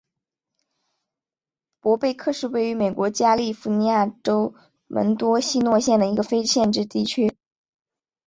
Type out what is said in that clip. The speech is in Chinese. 伯贝克是位于美国加利福尼亚州门多西诺县的一个非建制地区。